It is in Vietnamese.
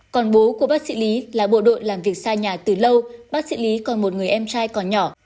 còn bố của bác sĩ lý là bộ đội làm việc xa nhà từ lâu bác sĩ lý còn một người em trai còn nhỏ